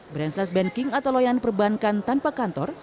branchless banking atau layanan perbankan tanpa kantor